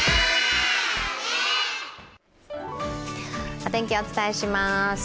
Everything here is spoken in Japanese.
お天気、お伝えします。